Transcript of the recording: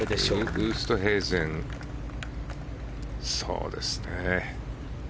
ウーストヘイゼンそうですね。